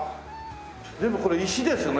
全部これ石ですね。